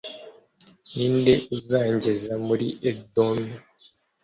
ni nde uzangeza muri edomu